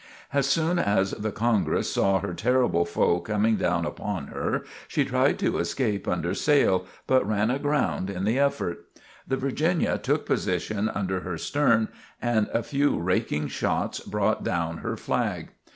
As soon as the "Congress" saw her terrible foe coming down upon her, she tried to escape under sail, but ran aground in the effort. The "Virginia" took position under her stern and a few raking shots brought down her flag.